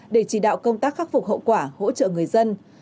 để chỉ đạo công tác khắc phục hậu quả hỗ trợ người dân